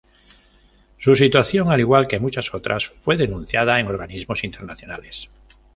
Su situación, al igual que muchas otras, fue denunciada en organismos internacionales.